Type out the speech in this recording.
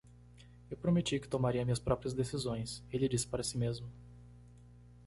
"Eu prometi que tomaria minhas próprias decisões?", ele disse para si mesmo.